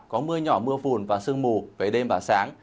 có mưa nhỏ mưa phùn và sương mù về đêm và sáng